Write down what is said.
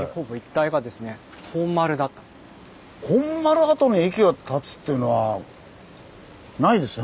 本丸跡に駅が建つっていうのはないですね